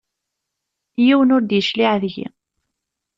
Yiwen ur d-yecliε deg-i.